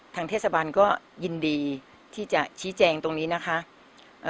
ทางเทศบาลก็ยินดีที่จะชี้แจงตรงนี้นะคะเอ่อ